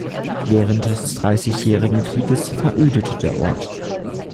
Während des Dreißigjährigen Krieges verödete der Ort.